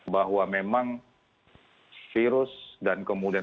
bahwa memang virus dan kemudian